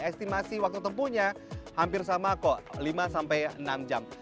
estimasi waktu tempuhnya hampir sama kok lima sampai enam jam